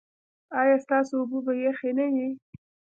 ایا ستاسو اوبه به یخې نه وي؟